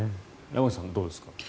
山口さん、どうですか？